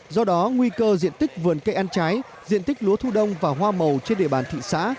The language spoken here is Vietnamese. do đó nguy cơ diện tích vườn cây ăn trái diện tích lúa thu đông và hoa màu trên địa bàn thị xã